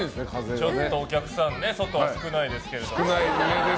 ちょっとお客さん外、少ないですけど。